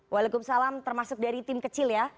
waalaikumsalam termasuk dari tim kecil ya